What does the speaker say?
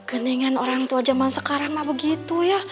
geningan orang tua zaman sekarang mah begitu ya